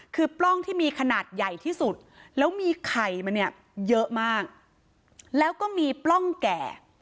คือปล้องที่มีขนาดใหญ่ที่สุดแล้วมีไข่มาเนี่ยเยอะมากแล้วก็มีปล้องแก่